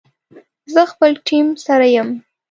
زه خپل ټیم سره یم